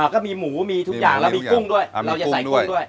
ก็มีหมูมีทุกอย่างเรามีกุ้งด้วยเราจะใส่กุ้งด้วย